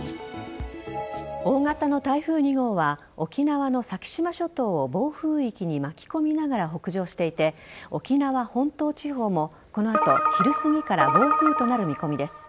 大型の台風２号は沖縄の先島諸島を暴風域に巻き込みながら北上していて沖縄本島地方もこの後昼すぎから暴風となる見込みです。